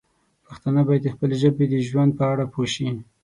پښتانه باید د خپلې ژبې د ژوند په اړه پوه شي.